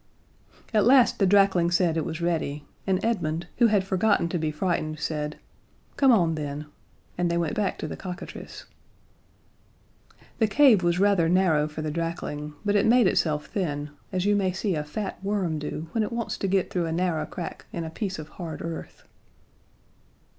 At last the drakling said it was ready, and Edmund, who had forgotten to be frightened, said, "Come on then," and they went back to the cockatrice. The cave was rather narrow for the drakling, but it made itself thin, as you may see a fat worm do when it wants to get through a narrow crack in a piece of hard earth.